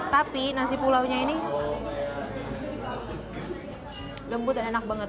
tapi nasi pulaunya ini lembut dan enak banget